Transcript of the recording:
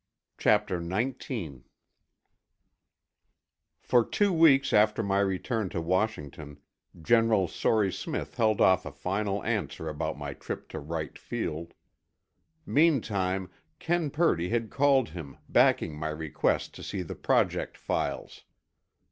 CHAPTER XIX For two weeks after my return to Washington, General Sory Smith held off a final answer about my trip to Wright Field. Meantime, Ken Purdy had called him backing my request to see the Project files.